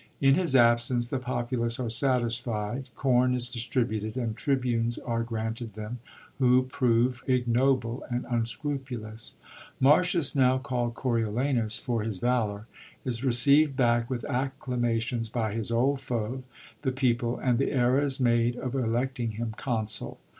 In his absence the populace are satisfied, corn is distributed, and tribunes are granted them, who prove ignoble and unscrupulous. Marcius, now calld Coriolanus for his valor, is receivd back with acclamations by his old foe, the people, and the error is made of electing him consul.